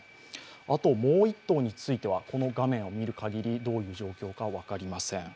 あともう１頭については、この画面を見るかぎりどういう状況か分かりません。